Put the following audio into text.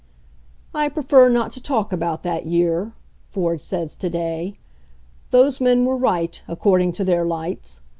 "I prefer not to talk about that year," Ford says to day. "Those men were right, according to their lights.